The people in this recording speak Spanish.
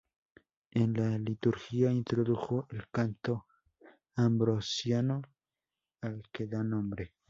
En la liturgia introdujo el canto ambrosiano, al que da nombre.